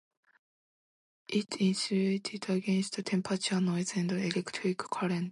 It insulates against temperature, noise, and electric current.